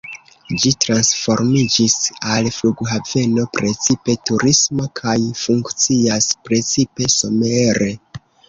Ĝi transformiĝis al flughaveno precipe turisma kaj funkcias precipe somere.